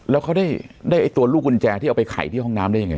แล้วเขาได้ตัวลูกกุญแจที่เอาไปไขที่ห้องน้ำได้ยังไง